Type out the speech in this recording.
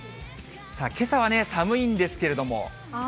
さあ、けさはね、寒いんですけれども。